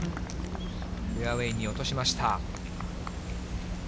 フェアウエーに落としました。